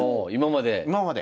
今まで？